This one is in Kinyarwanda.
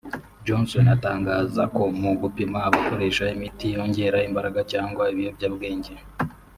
Johnson atangaza ko mu gupima abakoresha imiti yongera imbaraga cyangwa ibiyobyabwenge